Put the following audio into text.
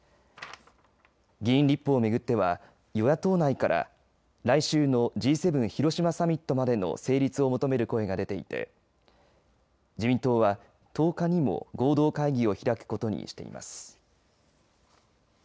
議員立法を巡っては与野党内から来週のＧ７広島サミットまでの成立を求める声が出ていて自民党は１０日にも合同会議を開くことにしています。